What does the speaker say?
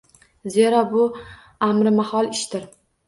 Zero, bu amrimahol ishdir.